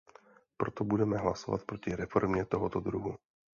Proto budeme hlasovat proti reformě tohoto druhu.